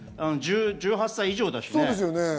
１８歳以上ですしね。